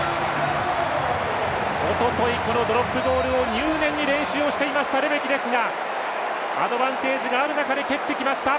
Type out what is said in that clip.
おととい、このドロップゴールを入念に練習していたレメキですがアドバンテージがある中で蹴ってきました！